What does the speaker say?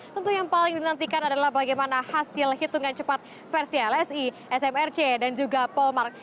tentu yang paling dinantikan adalah bagaimana hasil hitungan cepat versi lsi smrc dan juga polmark